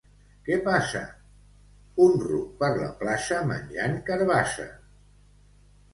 —Què passa: —Un ruc per la plaça menjant carabassa!